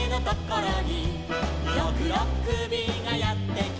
「ろくろっくびがやってきた」